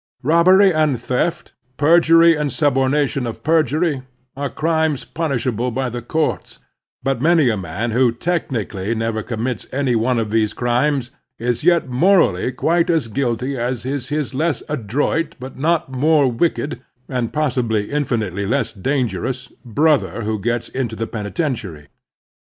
Robbery and theft, perjury and suborna tion of perjury, are crimes punishable by the courts; but many a man who technically never commits any one of these crimes is yet morally quite as guilty as is his less adroit but not more wicked, and possibly infinitely less dangerous, brother who gets into the penitentiary.